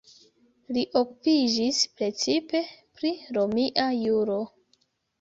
Li okupiĝis precipe pri romia juro.